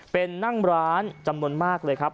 เป็นนั่งร้านจำนวนมากเลยครับ